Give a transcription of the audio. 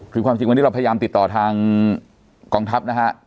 คือความจริงวันนี้เราพยายามติดต่อทางกองทัพนะฮะ